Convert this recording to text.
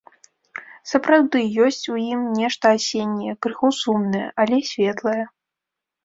Сапраўды ёсць у ім нешта асенняе, крыху сумнае, але светлае.